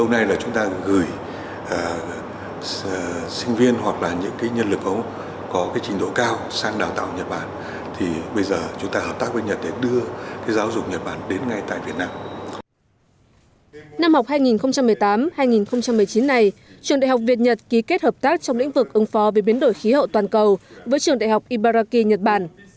năm học hai nghìn một mươi tám hai nghìn một mươi chín này trường đại học việt nhật ký kết hợp tác trong lĩnh vực ứng phó về biến đổi khí hậu toàn cầu với trường đại học ibaraki nhật bản